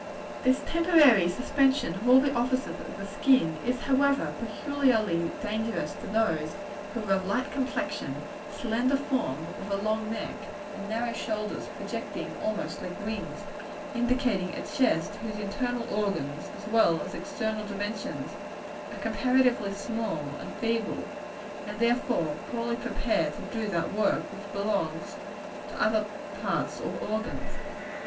This temporary suspension of the offices of the skin is, however, peculiarly dangerous to those who are of light complexion, slender form, with a long neck, and narrow shoulders projecting almost like wings indicating a chest whose internal organs, as well as external dimensions, are comparatively small and feeble, and therefore poorly prepared to do that work which belongs to other parts or organs.